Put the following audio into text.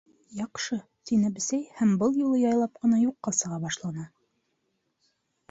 —Яҡшы, —тине Бесәй һәм был юлы яйлап ҡына юҡҡа сыға башланы.